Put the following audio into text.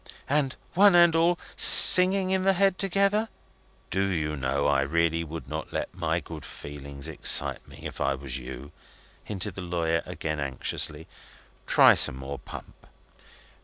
And one and all singing in the head together " "Do you know, I really would not let my good feelings excite me, if I was you," hinted the lawyer again, anxiously. "Try some more pump."